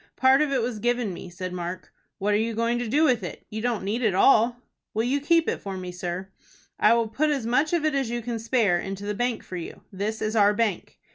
"Part of it was given me," said Mark. "What are you going to do with it? You don't need it all?" "Will you keep it for me, sir?" "I will put as much of it as you can spare into the bank for you. This is our bank."